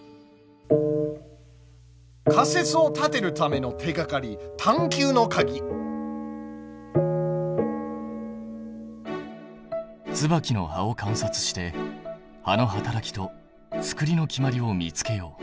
仮説を立てるための手がかりツバキの葉を観察して葉の働きとつくりの決まりを見つけよう。